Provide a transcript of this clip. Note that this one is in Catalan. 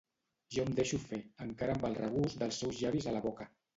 Jo em deixo fer, encara amb el regust dels seus llavis a la boca.